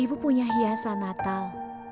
ibu punya hiasan natal